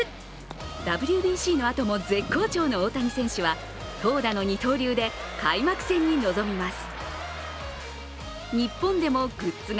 ＷＢＣのあとも絶好調の大谷選手は投打の二刀流で開幕戦に臨みます。